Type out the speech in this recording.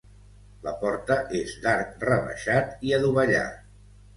La porta és d'arc rebaixat i adovellat.